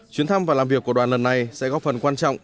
chuyến thăm và làm việc của đoàn lần này sẽ góp phần quan trọng